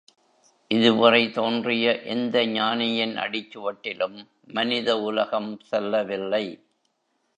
இதுவரை தோன்றிய எந்த ஞானியின் அடிச்சுவட்டிலும் மனித உலகம் செல்லவில்லை.